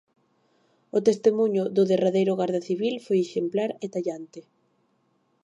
O testemuño do derradeiro garda civil foi exemplar e tallante.